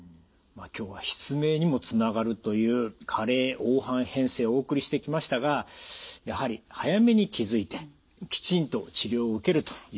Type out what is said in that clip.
今日は失明にもつながるという加齢黄斑変性お送りしてきましたがやはり早めに気付いてきちんと治療を受けるということがこれは必要ですね。